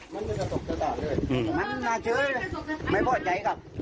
มันมันจะตกจะต่างเลยมันมาเชื้อเลยไม่พอใจกับ